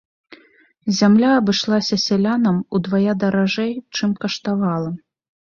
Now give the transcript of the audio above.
Зямля абышлася сялянам удвая даражэй, чым каштавала.